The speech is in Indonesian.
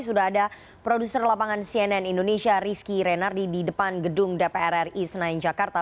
sudah ada produser lapangan cnn indonesia rizky renardi di depan gedung dpr ri senayan jakarta